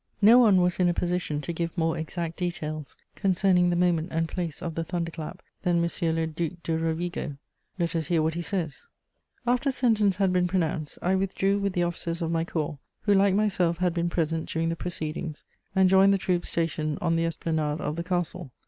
* No one was in a position to give more exact details concerning the moment and place of the thunder clap than M. le Duc de Rovigo; let us hear what he says: "After sentence had been pronounced, I withdrew with the officers of my corps, who like myself had been present during the proceedings, and joined the troops stationed on the esplanade of the castle.